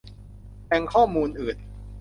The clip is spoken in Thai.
แหล่งข้อมูลอื่น